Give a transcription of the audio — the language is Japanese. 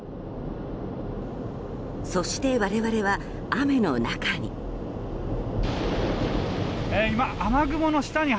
そして我々は雨の中に。